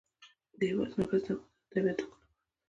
د هېواد مرکز د افغانستان د طبیعت د ښکلا برخه ده.